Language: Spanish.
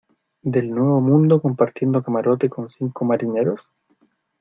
del nuevo mundo compartiendo camarote con cinco marineros?